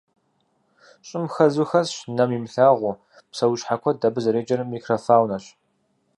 ЩӀым хэзу хэсщ нэм имылъагъу псэущхьэ куэд, абы зэреджэр микрофаунэщ.